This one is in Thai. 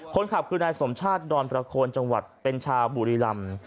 คนขับคือนายสมชาติดอนประโคนจังหวัดเป็นชาวบุรีรำ